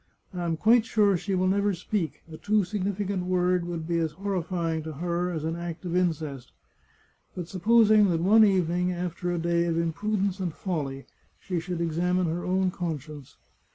I am quite sure she will never speak — a too significant word would be as horrifying to her as an act of incest. But supposing that one evening, after a day of imprudence and folly, she should examine her own conscience